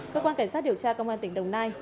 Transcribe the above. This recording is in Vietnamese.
cơ quan cảnh sát điều tra công an tỉnh đồng nai